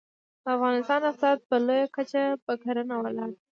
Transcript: د افغانستان اقتصاد په لویه کچه په کرنه ولاړ دی